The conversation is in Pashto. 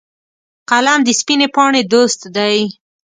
قلم د سپینې پاڼې دوست دی